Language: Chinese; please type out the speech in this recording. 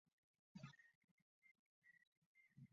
建元是新罗君主法兴王和真兴王之年号。